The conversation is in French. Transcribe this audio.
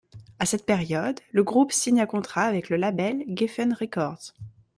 À cette période, le groupe signe un contrat avec le label Geffen Records.